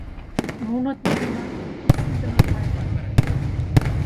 Нуно тиде мландым писын гына пайлышт.